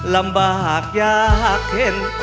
ลำบากยากเข็น